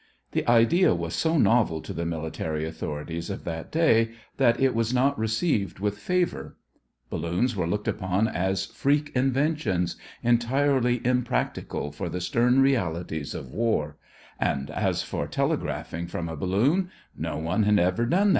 The idea was so novel to the military authorities of that day that it was not received with favor. Balloons were looked upon as freak inventions, entirely impracticable for the stern realities of war; and as for telegraphing from a balloon, no one had ever done that before.